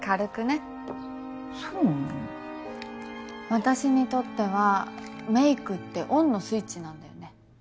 私にとってはメイクってオンのスイッチなんだよね。